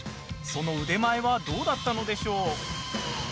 その腕前はどうだったのでしょう？